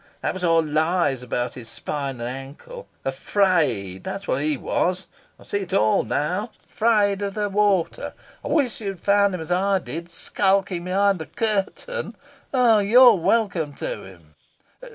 That was all lies about his spine and ankle. Afraid, that's what he was I see it all now afraid of the water. I wish you'd found him as I did skulking behind the curtain. Oh, you're welcome to him."